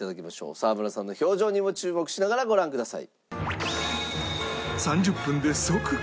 沢村さんの表情にも注目しながらご覧ください。